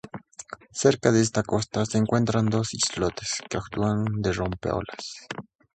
Cerca de esta costa, se encuentran dos islotes que actúan de rompeolas.